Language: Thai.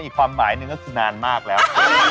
ความหมายหนึ่งก็คือนานมากแล้ว